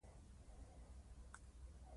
ځینې هیوادونه ساحل نه لري.